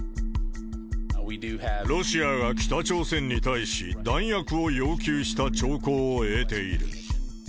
ロシアが北朝鮮に対し、弾薬を要求した兆候を得ている。